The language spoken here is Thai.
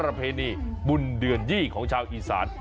ประเพณีบุญเดือนยี่ของชาวอีสาน